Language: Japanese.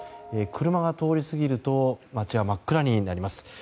車が通り過ぎると街は真っ暗になります。